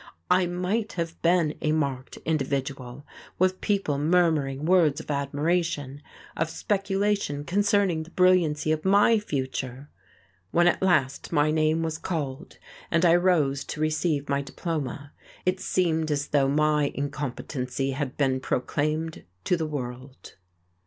I might have been a marked individual, with people murmuring words of admiration, of speculation concerning the brilliancy of my future!... When at last my name was called and I rose to receive my diploma it seemed as though my incompetency had been proclaimed to the world...